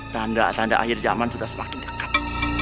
tanda tanda akhir zaman sudah semakin dekat